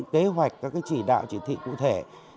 kế hoạch các chỉ đạo chỉ thị cụ thể